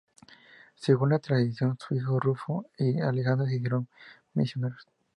Según la tradición, sus hijos Rufo y Alejandro se hicieron misioneros.